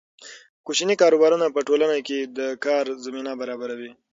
کوچني کاروبارونه په ټولنه کې د کار زمینه برابروي.